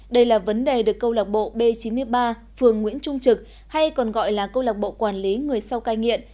đây là vấn đề được câu lạc bộ b chín mươi ba phường nguyễn trung trực hay còn gọi là câu lạc bộ quản lý người sau cai nghiện